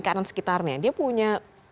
apakah dia bisa